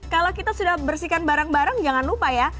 kalau kita sudah bersihkan barang barang jangan lupa ya